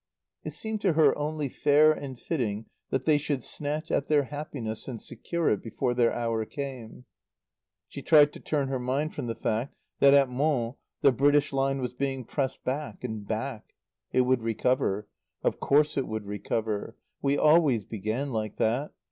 It seemed to her only fair and fitting that they should snatch at their happiness and secure it, before their hour came. She tried to turn her mind from the fact that at Mons the British line was being pressed back and back. It would recover. Of course it would recover. We always began like that.